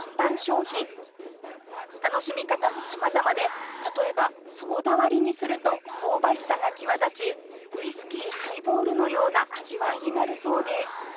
楽しみ方も様々で例えばソーダ割りにすると香ばしさが際立ちウイスキーハイボールのような味わいになるそうです